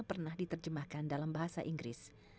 pernah diterjemahkan dalam bahasa inggris